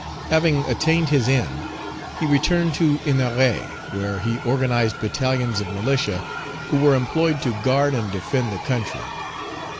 Having attained his end, he returned to Ennery, where he organized battalions of militia, who were employed to guard and defend the country.